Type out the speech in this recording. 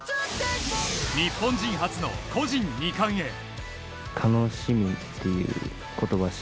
日本人初の個人２冠へ。